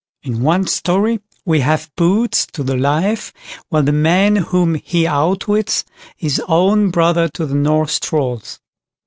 In one story we have "Boots" to the life, while the man whom he outwits is own brother to the Norse Trolls.